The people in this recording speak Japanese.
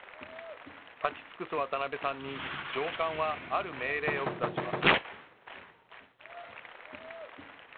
立ち尽くす渡邉さんに上官はある命令を下します。